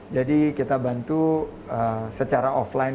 jadi kita bantu secara offline